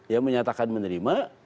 ya menyatakan menerima